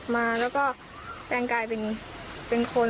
มาแล้วก็แต่งกายเป็นคน